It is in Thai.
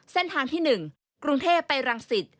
เส้นทางที่๑กรุงเทพไปรังสิต